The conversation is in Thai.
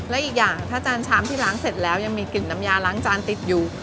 และอีกอย่างถ้าจานชามที่ล้างเสร็จแล้วยังมีกลิ่นน้ำยาล้างจานติดอยู่